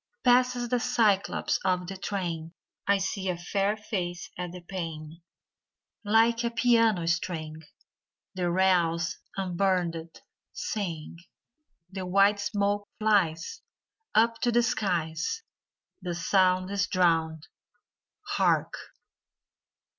Passes the cy clops of the train! I see a fair face at the pane, — Like a piano string The rails, unburdened, sing; The white smoke flies Up to the skies; The sound Is drowned — Hark!